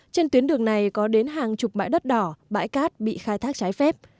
trên tuyến đường này có đến hàng chục bãi đất đỏ bãi cát bị khai thác trái phép